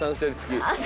あっ。